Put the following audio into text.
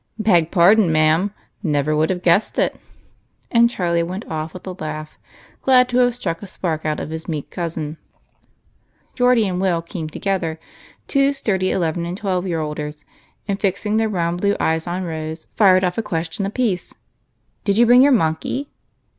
"Beg pardon, ma'am; never should have guessed it." And Charlie went off with a laugh, glad to have struck a spark out of his meek cousin. Geordie and Will came together, two sturdy eleven 14 EIGHT COUSINS. and twelve year olders, and, fixing their round blue eyes on Rose, fired off a question apiece as if it waa a shooting match and she the target. " Did you bring your monkey